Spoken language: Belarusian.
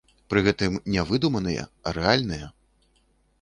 Пры гэтым, не выдуманыя, а рэальныя.